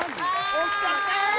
惜しかった！